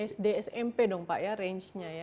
sd smp dong pak ya range nya ya